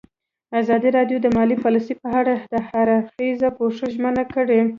ازادي راډیو د مالي پالیسي په اړه د هر اړخیز پوښښ ژمنه کړې.